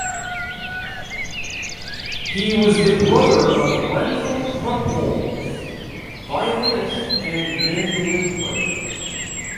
He was the brother of Wenzel Krumpholz, violinist and mandolin player.